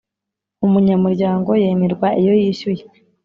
Umunyamuryango yemerwa iyo yishyuye